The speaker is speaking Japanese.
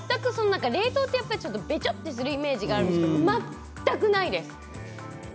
冷凍ってべちょっとするイメージがあるんですよ、かたくないです。